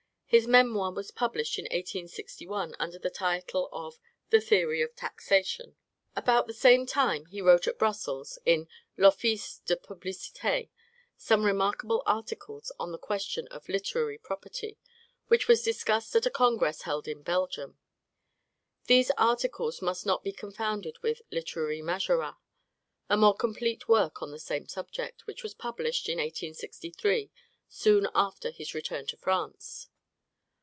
His memoir was published in 1861 under the title of "The Theory of Taxation." About the same time, he wrote at Brussels, in "L'Office de Publicite," some remarkable articles on the question of literary property, which was discussed at a congress held in Belgium, These articles must not be confounded with "Literary Majorats," a more complete work on the same subject, which was published in 1863, soon after his return to France.